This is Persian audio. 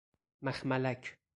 مخملک